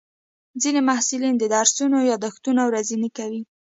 ځینې محصلین د درسونو یادښتونه ورځني کوي.